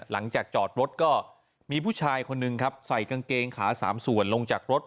หลังจากจอดรถก็มีผู้ชายคนหนึ่งครับใส่กางเกงขาสามส่วนลงจากรถ